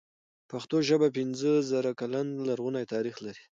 پښتو ژبه پنځه زره کلن لرغونی تاريخ لري.